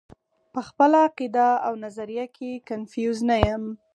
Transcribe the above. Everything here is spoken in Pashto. پۀ خپله عقيده او نظريه کښې کنفيوز نۀ يم -